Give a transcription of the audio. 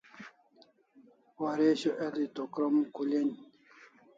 Waresho el'i to krom khulen